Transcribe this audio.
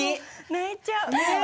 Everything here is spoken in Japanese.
泣いちゃう。